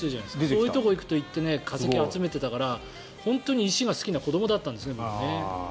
そういうところに行って化石を集めていたから本当に石が好きな子どもだったんですね。